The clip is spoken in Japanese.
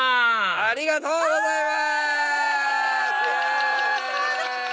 ありがとうございます！